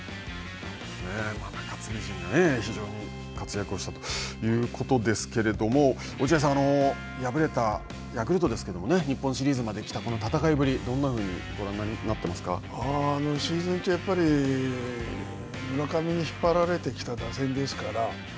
中継ぎ陣が非常に活躍したということですけれども、落合さん、敗れたヤクルトですけどもね、日本シリーズまで来たこの戦いぶり、どんなふうにご覧になってますか。シーズン中は、やっぱりその村上が引っ張ってこられてきた打線ですから。